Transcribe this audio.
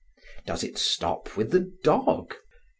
Does it stop with the dog?